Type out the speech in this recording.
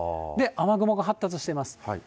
雨雲が発達してます。